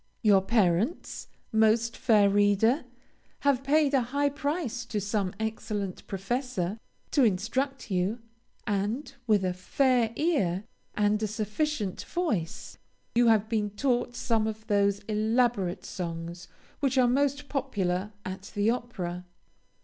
Your parents, most fair reader, have paid a high price to some excellent professor, to instruct you and, with a fair ear, and a sufficient voice, you have been taught some of those elaborate songs which are most popular at the opera.